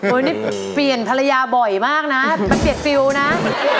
นี่เปลี่ยนภรรยาบ่อยมากนะมันเปลี่ยนฟิลนะ